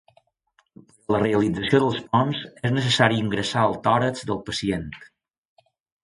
Per a la realització dels ponts és necessari ingressar al tòrax del pacient.